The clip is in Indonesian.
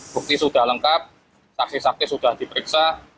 bukti sudah lengkap saksi saksi sudah diperiksa